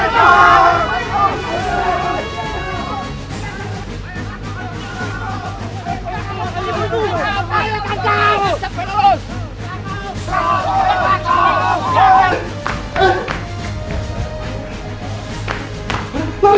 kasusnya kasih kamu bitanya ngambil walking